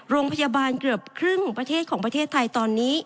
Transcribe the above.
โรงพยาบาลเกือบครึ่งประเทศของประเทศไทยตอนนี้